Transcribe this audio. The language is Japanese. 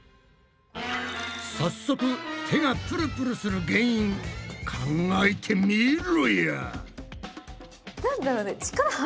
早速手がプルプルする原因考えてみろや！